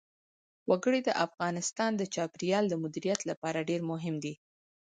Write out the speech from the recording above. وګړي د افغانستان د چاپیریال د مدیریت لپاره ډېر مهم دي.